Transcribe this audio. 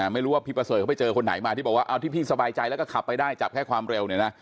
ไม่รู้ว่าพี่ประเสริฐเขาไปเจอคนไหนมาที่บอกว่าเอาที่พี่สบายใจแล้วก็ขับไปได้จับแค่ความเร็วเนี่ยนะ